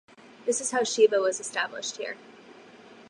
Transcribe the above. This is how Shiva was established here.